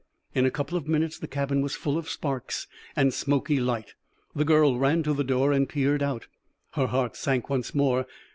In a couple of minutes the cabin was full of sparks and smoky light. The girl ran to the door and peered out. Her heart sank once more.